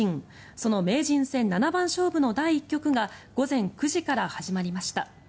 その名人戦七番勝負の第１局が午前９時から始まりました。